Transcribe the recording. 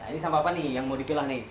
ini sampah apa nih yang mau dipilah nih